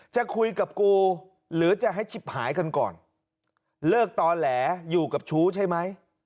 จะคุยกับกูหรือจะให้ชิบหายกันก่อนเลิกต่อแหลอยู่กับชู้ใช่ไหม